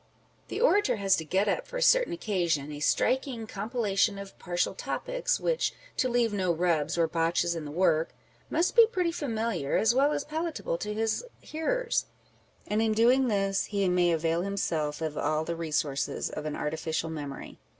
The orator has to get up for a certain occasion a striking com pilation of partial topics, which, " to leave no rubs or botches in the work," must b3 pretty familiar as well as palatable to his hearers ; and in doing this, he may avail himself of all the resources of an artificial memory.